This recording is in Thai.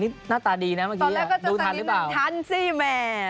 นี่หน้าตาดีนะเมื่อกี้ตอนแรกก็จะจัดริมทันสิแม่รอดรู้ตัวขนาดนี้ใช่ไหม